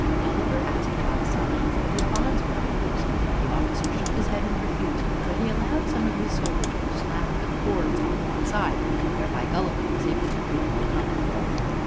Gulliver asked, by signs, that his bonds might be loosed. The officer shook his head and refused, but he allowed some of his soldiers to slack the cords on one side, whereby Gulliver was able to feel more comfortable.